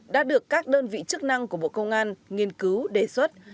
đã được các đơn vị chức năng của bộ công an nghiên cứu đề xuất